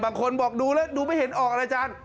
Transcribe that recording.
บางคนบอกดูแล้วดูไม่เห็นออกนะอาจารย์